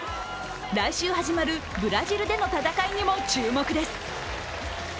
来週始まるブラジルでの戦いにも注目です。